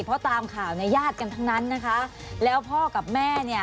เพราะตามข่าวในญาติกันทั้งนั้นนะคะแล้วพ่อกับแม่เนี่ย